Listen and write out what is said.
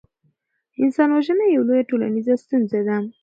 انسان وژنه یوه لویه ټولنیزه ستونزه ده.